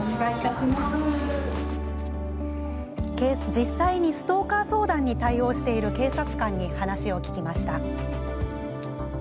実際にストーカー相談に対応している警察官に話を聞きました。